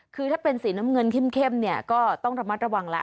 คือถ้าเป็นสีน้ำเงินเข้มเนี่ยก็ต้องระมัดระวังแล้ว